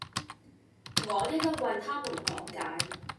我一一為他們講解